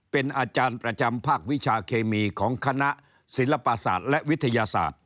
เป็นอาจารย์ประจำภาควิชาเคมีของคณะศิลปศาสตร์และวิทยาศาสตร์